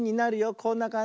こんなかんじ。